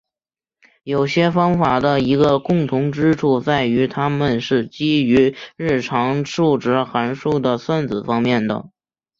有些方法的一个共同之处在于它们是基于日常数值函数的算子方面的。